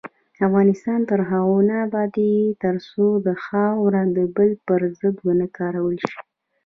افغانستان تر هغو نه ابادیږي، ترڅو خاوره د بل پر ضد ونه کارول شي.